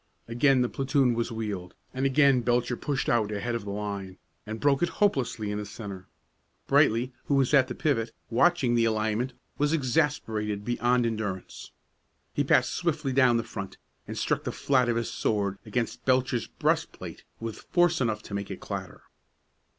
Again the platoon was wheeled, and again Belcher pushed out ahead of the line, and broke it hopelessly in the centre. Brightly, who was at the pivot, watching the alignment, was exasperated beyond endurance. He passed swiftly down the front, and struck the flat of his sword against Belcher's breastplate with force enough to make it clatter.